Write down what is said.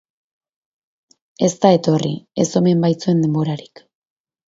Ez da etorri, ez omen baitzuen denborarik.